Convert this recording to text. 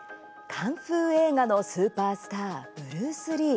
カンフー映画のスーパースターブルース・リー。